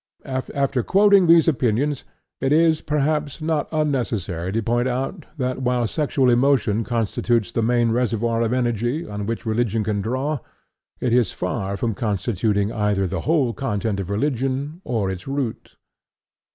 " After quoting these opinions it is, perhaps, not unnecessary to point out that, while sexual emotion constitutes the main reservoir of energy on which religion can draw, it is far from constituting either the whole content of religion or its root.